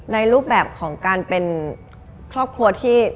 รูปแบบของการเป็นครอบครัวที่